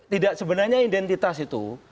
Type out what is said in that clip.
tidak sebenarnya identitas itu